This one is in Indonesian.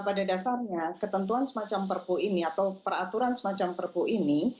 pada dasarnya ketentuan semacam perpu ini atau peraturan semacam perpu ini